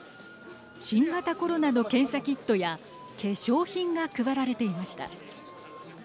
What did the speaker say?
新型コロナの検査キットや化粧品が配られていました。